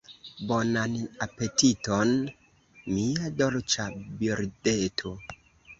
Bonan apetiton, mia dolĉa birdeto.